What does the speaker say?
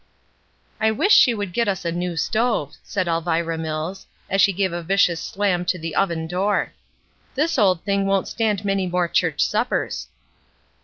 '' ''I wish she would get us a new stove,'' said Alvira Mills, as she gave a vicious slam to the oven door; ''this old thing won't stand many more church suppers."